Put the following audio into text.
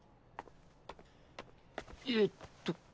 えっと